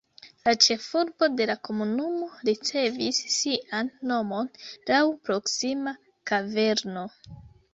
La ĉefurbo de la komunumo ricevis sian nomon laŭ proksima kaverno.